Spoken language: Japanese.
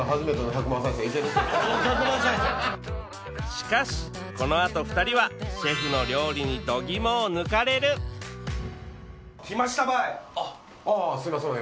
しかしこのあと２人はシェフの料理に度肝を抜かれる来ましたばい。